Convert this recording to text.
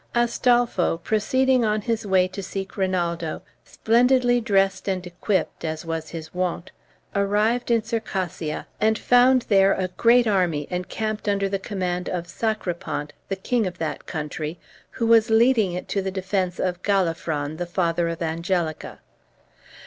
Astolpho, proceeding on his way to seek Rinaldo, splendidly dressed and equipped, as was his wont, arrived in Circassia, and found there a great army encamped under the command of Sacripant, the king of that country, who was leading it to the defence of Galafron, the father of Angelica.